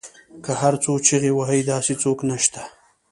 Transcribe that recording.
که هر څو چیغې وهي داسې څوک نشته